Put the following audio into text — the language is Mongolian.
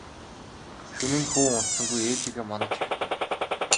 Шөнө нь хүү унтсангүй ээжийгээ манаж хэвтэв.